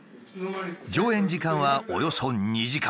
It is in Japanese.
上演時間はおよそ２時間。